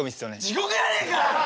地獄やねえか！